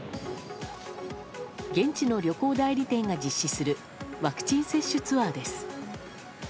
現地の旅行代理店が実施するワクチン接種ツアーです。